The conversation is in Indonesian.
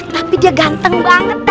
tapi dia ganteng banget